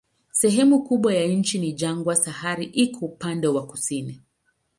Sehemu kubwa ya nchi ni jangwa, Sahara iko upande wa kusini.